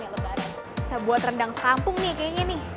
saya buat rendang sekampung nih kayaknya nih